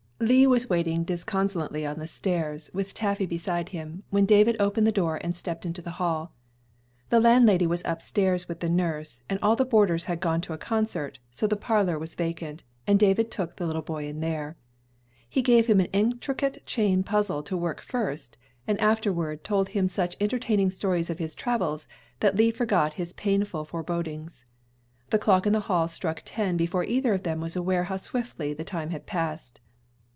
LEE was waiting disconsolately on the stairs, with Taffy beside him, when David opened the door and stepped into the hall. The landlady was up stairs with the nurse, and all the boarders had gone to a concert, so the parlor was vacant, and David took the boy in there. He gave him an intricate chain puzzle to work first, and afterward told him such entertaining stories of his travels that Lee forgot his painful forebodings. The clock in the hall struck ten before either of them was aware how swiftly the time had passed.